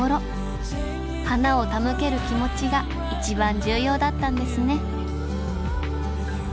花を手向ける気持ちが一番重要だったんですね